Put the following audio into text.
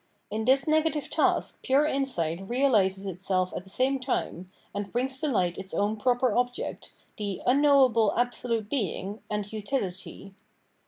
In this negative task pure insight realises itself at the same time, and brings to light its own proper object, the " unknowable absolute Being" andutihty.